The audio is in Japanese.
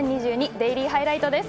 デイリーハイライト」です。